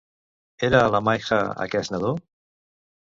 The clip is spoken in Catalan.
Era la Maija aquest nadó?